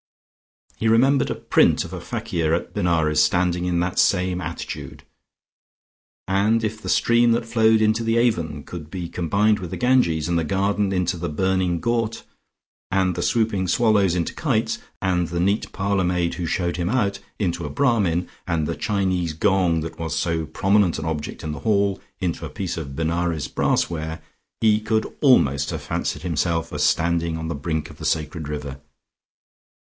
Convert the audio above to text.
He remembered a print of a fakir at Benares, standing in that attitude; and if the stream that flowed into the Avon could be combined with the Ganges, and the garden into the burning ghaut, and the swooping swallows into the kites, and the neat parlour maid who showed him out, into a Brahmin, and the Chinese gong that was so prominent an object in the hall into a piece of Benares brassware, he could almost have fancied himself as standing on the brink of the sacred river.